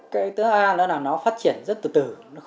cái thứ hai là nó phát triển rất từ từ